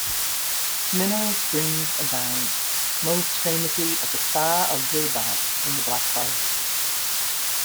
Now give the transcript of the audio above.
Mineral springs abound; most famously at the spa of Wildbad, in the Black Forest.